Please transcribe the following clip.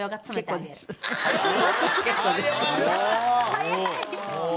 早い！